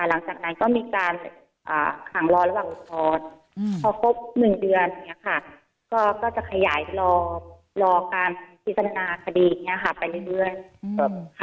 หลังจากนั้นก็มีการขังรอระหว่างอุทธรณ์พอครบ๑เดือนอย่างนี้ค่ะก็จะขยายรอการพิจารณาคดีอย่างนี้ค่ะไปเรื่อย